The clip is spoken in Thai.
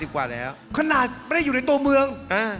ขนาดไม่ได้อยู่ในตัวเมือง